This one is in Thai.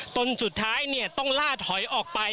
จนสุดท้ายต้องล่าถอยออกไป